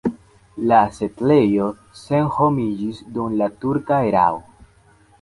La setlejo senhomiĝis dum la turka erao.